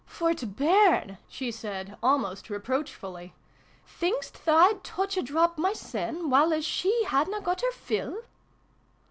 "For t' bairn!" she said, almost reproach fully. " Think'st tha I'd touch a drop my sen, while as she hadna got her fill